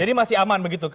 jadi masih aman begitu